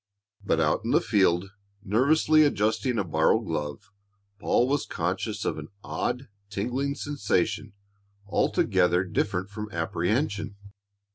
But out in the field, nervously adjusting a borrowed glove, Paul was conscious of an odd, tingling sensation altogether different from apprehension.